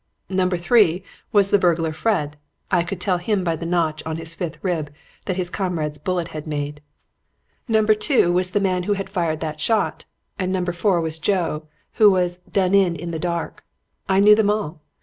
Number Three was the burglar Fred; I could tell him by the notch on his fifth rib that his comrade's bullet had made. Number Two was the man who had fired that shot, and Number Four was Joe, who was "done in in the dark." I knew them all.